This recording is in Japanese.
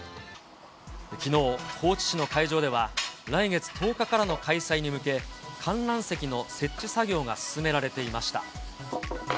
きのう、高知市の会場では、来月１０日からの開催に向け、観覧席の設置作業が進められていました。